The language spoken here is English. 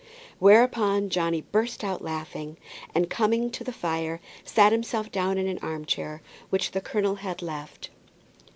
Whereupon Johnny burst out laughing, and coming round to the fire, sat himself down in the arm chair which the colonel had left.